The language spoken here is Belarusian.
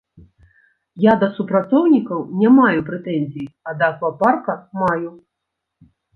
Я да супрацоўнікаў не маю прэтэнзій, а да аквапарка маю.